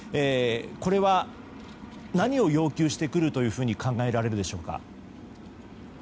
これは何を要求してくると考えられるでしょうか。